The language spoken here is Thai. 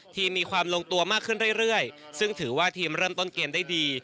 มีความลงตัวมากขึ้นเรื่อยซึ่งถือว่าทีมเริ่มต้นเกมได้ดี